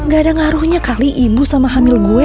gak ada ngaruhnya kali ibu sama hamil gue